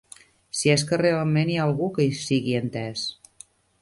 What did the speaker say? Si és que realment hi ha algú que hi sigui entès.